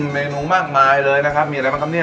มีเมนูมากมายเลยมีอะไรป่ะครับเนี่ย